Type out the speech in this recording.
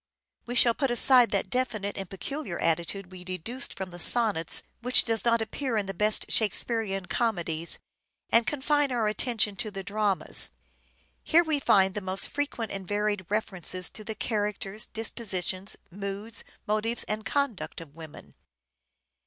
We shall put aside that definite and peculiar attitude we deduced from the Sonnets, which does not appear in the best Shakespearean comedies, and confine our attention to the dramas. Here we find the most frequent and varied references to the characters, disposition, moods, motives and conduct of women.